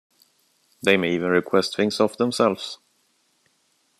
They may even request things of themselves.